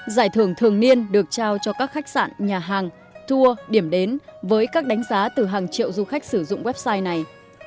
giải thưởng thường niên được trao cho các khách sạn nhà hàng tour điểm đến với các đánh giá từ hàng triệu du khách sử dụng website này